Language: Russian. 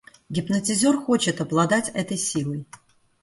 Гипнотизер хочет обладать этой силой.